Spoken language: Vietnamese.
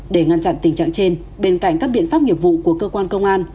để ngăn chặn tình trạng trên bên cạnh các biện pháp nghiệp vụ của cơ quan công an